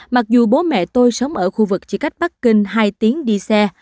mặc dù bố mẹ tôi sống ở khu vực chỉ cách bắc kinh hai tiếng đi xe